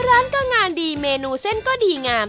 ร้านก็งานดีเมนูเส้นก็ดีงาม